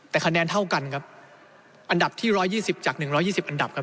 แต่คะแนนเท่ากันครับอันดับที่๑๒๐จาก๑๒๐อันดับครับ